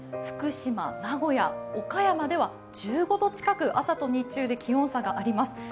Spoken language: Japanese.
福島、名古屋、岡山では１５度近く朝と日中で気温差があります。